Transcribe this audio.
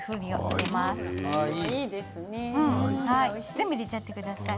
全部入れちゃってください。